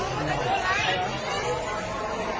ว้าวขอพี่ก่อน